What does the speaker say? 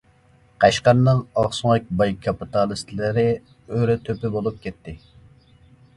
قەشقەرنىڭ ئاقسۆڭەك باي كاپىتالىستلىرى ئۆرە تۆپە بولۇپ كەتتى.